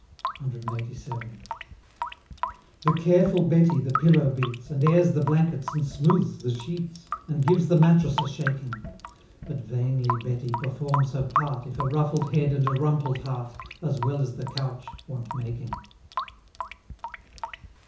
CLXXXVII. The careful Betty the pillow beats, And airs the blankets, and smooths the sheets, And gives the mattress a shaking But vainly Betty performs her part, If a ruffled head and a rumpled heart, As well as the couch want making.